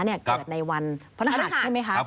เกิดในวันพระรหัสใช่ไหมคะ